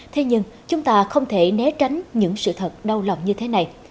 thế nhưng chúng ta không thể né tránh những sự thật đau lòng như thế này